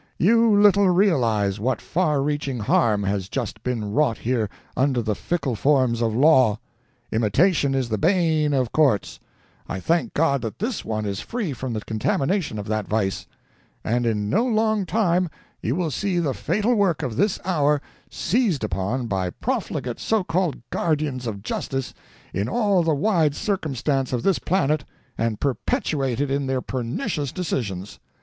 You little realize what far reaching harm has just been wrought here under the fickle forms of law. Imitation is the bane of courts I thank God that this one is free from the contamination of that vice and in no long time you will see the fatal work of this hour seized upon by profligate so called guardians of justice in all the wide circumstance of this planet and perpetuated in their pernicious decisions.